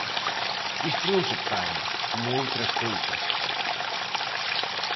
Isto non se para, como outras cousas.